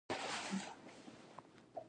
د غاښونو جوړښت د هر چا له بل سره توپیر لري.